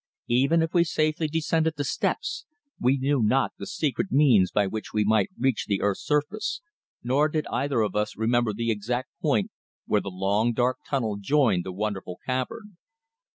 Even if we safely descended the steps, we knew not the secret means by which we might reach the earth's surface, nor did either of us remember the exact point where the long dark tunnel joined the wonderful cavern.